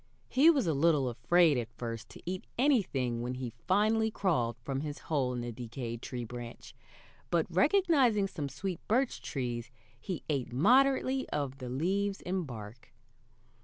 He was a little afraid at first to eat anything when he finally crawled from his hole in the decayed tree branch; but, recognizing some sweet birch trees, he ate moderately of the leaves and bark.